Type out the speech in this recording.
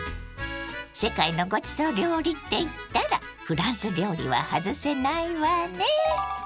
世界のごちそう料理っていったらフランス料理は外せないわね。